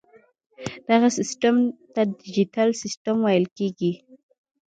دغه سیسټم ته ډیجیټل سیسټم ویل کیږي.